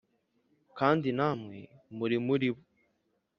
kandi namwe muri muri bo